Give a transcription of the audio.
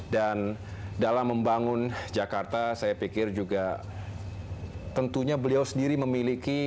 dan dalam membangun jakarta saya pikir juga tentunya beliau sendiri memiliki